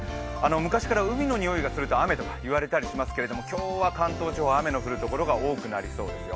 昔から海のにおいがすると雨といわれたりしますけれども、今日は関東地方、雨の降るところが多くなりそうですよ。